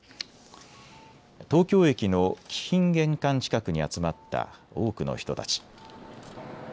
東京駅の貴賓玄関近くに集まった多くの人たち。